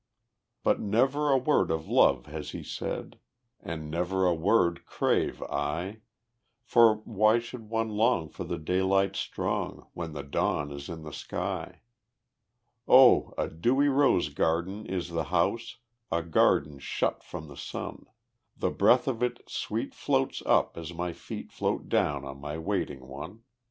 But never a word of love has he said, And never a word crave I, For why should one long for the daylight strong When the dawn is in the sky? O a dewy rose garden is the house, A garden shut from the sun; The breath of it sweet floats up, as my feet Float down to my waiting one.